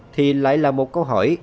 thì lại là một câu hỏi